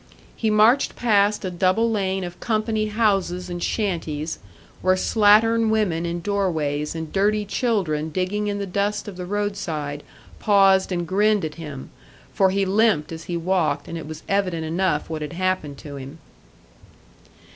He marched past a double lane of company houses and shanties, where slattern women in doorways and dirty children digging in the dust of the roadside paused and grinned at him for he limped as he walked, and it was evident enough what had happened to him.